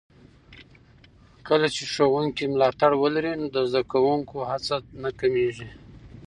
کله چې ښوونکي ملاتړ ولري، د زده کوونکو هڅه نه کمېږي.